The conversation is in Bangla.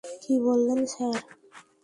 কী বলেন, স্যার?